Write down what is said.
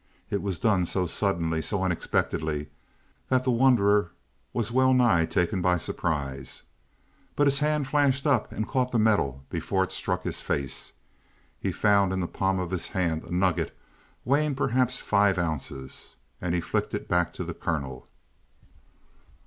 It was done so suddenly, so unexpectedly that the wanderer was well nigh taken by surprise. But his hand flashed up and caught the metal before it struck his face. He found in the palm of his hand a nugget weighing perhaps five ounces, and he flicked it back to the colonel.